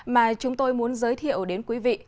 mà chúng tôi muốn giới thiệu đến quý vị